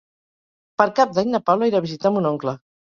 Per Cap d'Any na Paula irà a visitar mon oncle.